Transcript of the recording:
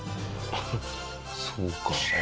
そうか。